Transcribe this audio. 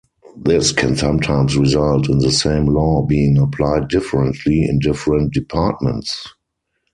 This can sometimes result in the same law being applied differently in different departments.